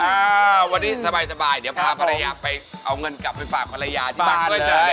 อ่าวันนี้สบายเดี๋ยวพาภรรยาไปเอาเงินกลับไปฝากภรรยาที่บ้านด้วย